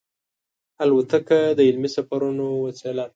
الوتکه د علمي سفرونو وسیله ده.